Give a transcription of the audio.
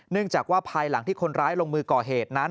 จากว่าภายหลังที่คนร้ายลงมือก่อเหตุนั้น